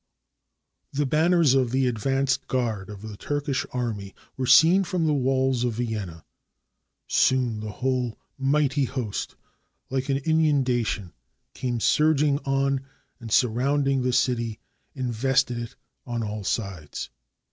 ] The banners of the advance guard of the Turkish army were seen from the walls of Vienna. Soon the whole mighty host, like an inundation, came surging on, and, surrounding the city, invested it on all sides.